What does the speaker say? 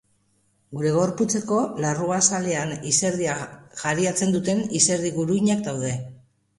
Gure gorputzeko larruazalean izerdia jariatzen duten izerdi guruinak daude.